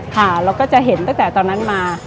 ค่ะเราก็จะเห็นตั้งแต่ตอนนั้นมา